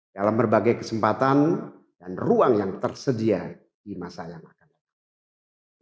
dalam berbagai kesempatan dan ruang yang tersedia di masa yang akan datang